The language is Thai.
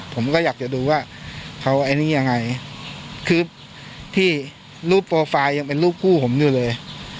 ผมก็อยากจะดูว่าเขาไอ้นี่ยังไงคือที่รูปโปรไฟล์ยังเป็นรูปคู่ผมอยู่เลย